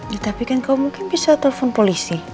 ya tapi kan kau mungkin bisa telepon polisi